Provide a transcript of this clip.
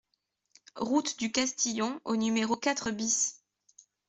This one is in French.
Route du Castillon au numéro quatre BIS